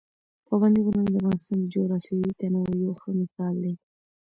پابندي غرونه د افغانستان د جغرافیوي تنوع یو ښه مثال دی.